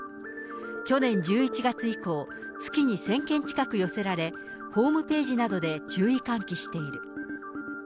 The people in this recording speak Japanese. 去年１１月以降、月に１０００件近く寄せられ、ホームページなどで注意喚起している。